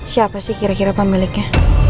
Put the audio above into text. siapa sih kira kira pemiliknya